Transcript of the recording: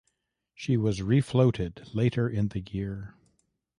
She was refloated later in the year.